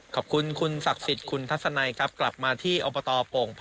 ขอบคุณคุณศักดิ์สิทธิ์คุณทัศนัยครับกลับมาที่อบตโป่งพอ